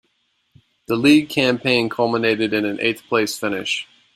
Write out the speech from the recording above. The league campaign culminated in an eighth-place finish.